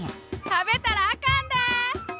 食べたらあかんで。